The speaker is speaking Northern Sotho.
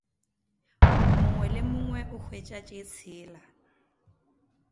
Mongwe le mongwe o hwetša tše tshela.